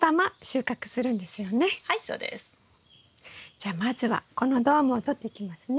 じゃあまずはこのドームを取っていきますね。